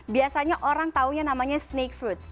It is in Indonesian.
biasanya orang tahunya namanya snake fruit